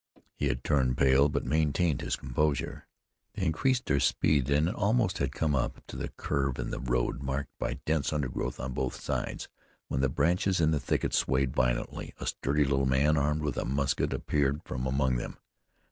He had turned pale, but maintained his composure. They increased their speed, and had almost come up to the curve in the road, marked by dense undergrowth on both sides, when the branches in the thicket swayed violently, a sturdy little man armed with a musket appeared from among them.